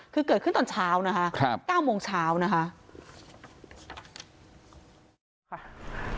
เกิดขึ้นตอนเช้านะครับ๙โมงเช้านะครับ